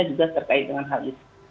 juga terkait dengan hal itu